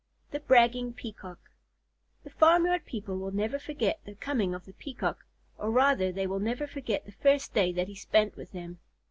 THE BRAGGING PEACOCK The farmyard people will never forget the coming of the Peacock; or rather they will never forget the first day that he spent with them.